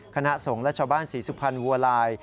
คณะสงฆ์และชาวบ้านศรีสุพรรณวัวลาย